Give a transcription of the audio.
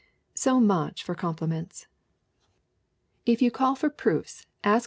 So much for compliments. If you call for proofs HELEN R.